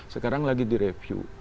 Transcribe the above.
sekarang lagi direview